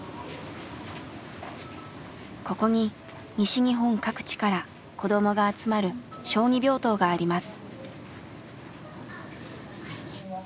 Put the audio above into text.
ここに西日本各地から子どもが集まる小児病棟があります。